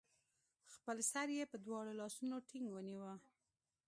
خپل سر يې په دواړو لاسونو ټينګ ونيوه